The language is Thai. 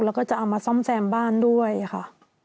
แล้วก็จะเอามาซ่อมแซมบ้านด้วยค่ะ